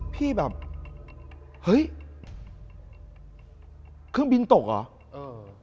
พี่แบบเฮ้ยเครื่องบินตกเหรอเออ